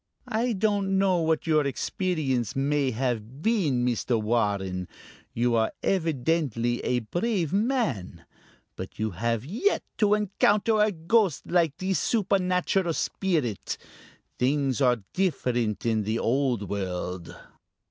"I don't know what your experience may have been, Mr. Warren. You are evidently a brave man, but you have yet to encounter a ghost like this supernatural spirit. Things are different in the Old World!"